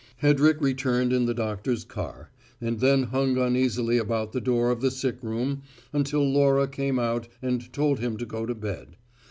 Hedrick returned in the doctor's car, and then hung uneasily about the door of the sick room until Laura came out and told him to go to bed.